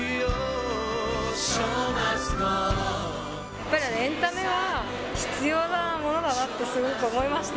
やっぱり、エンタメは、必要なものだなって、すごく思いました。